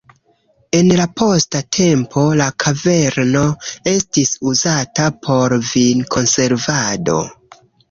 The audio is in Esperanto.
En la posta tempo la kaverno estis uzata por vin-konservado.